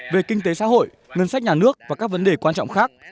về kinh tế xã hội ngân sách nhà nước và các vấn đề quan trọng khác